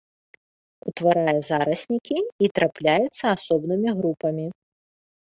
Утварае зараснікі і трапляецца асобнымі групамі.